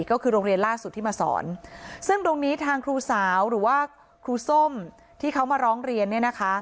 ก็คือโรงเรียนล่าสุดที่มาสอนซึ่งตรงนี้ทางครูสาวหรือว่าครูส้มที่เขามาร้องเรียนเนี่ยนะคะ